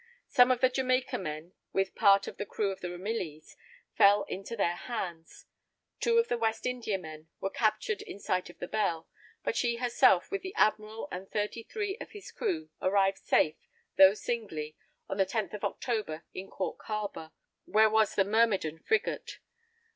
Some of the Jamaica men, with part of the crew of the Ramillies, fell into their hands; two of the West Indiamen were captured in sight of the Belle, but she herself with the admiral and thirty three of his crew, arrived safe, though singly, on the 10th of October in Cork harbor, where was the Myrmidon frigate.